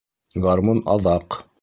Гармун аҙаҡ!..